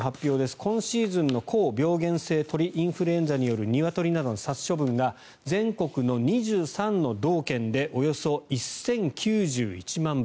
今シーズンの高病原性鳥インフルエンザによるニワトリなどの殺処分が全国の２３の道県でおよそ１０９１万羽。